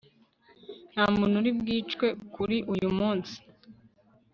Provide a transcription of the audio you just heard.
nta muntu uri bwicwe kuri uyu munsi